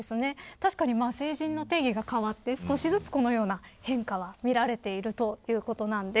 確かに成人の定義が変わって少しずつ、このような変化は見られているということなんです。